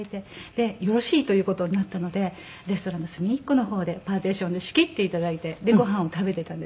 でよろしいという事になったのでレストランの隅っこの方でパーティションで仕切って頂いてご飯を食べていたんです。